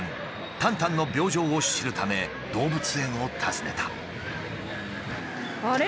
タンタンの病状を知るため動物園を訪ねた。